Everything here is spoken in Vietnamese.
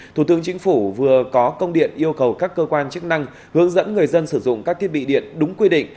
thủ tướng chính phủ vừa có công điện yêu cầu các cơ quan chức năng hướng dẫn người dân sử dụng các thiết bị điện đúng quy định